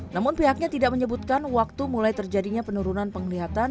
namun pihaknya tidak menyebutkan waktu mulai terjadinya penurunan penglihatan